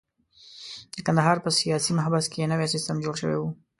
د کندهار په سیاسي محبس کې نوی سیستم جوړ شوی وو.